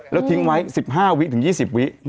แล้วทิ้งไว้๑๕วิถึง๒๐วิ